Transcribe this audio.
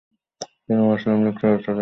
তিনি মুসলিম লীগ সদস্য ছিলেন।